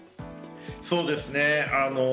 そうですね。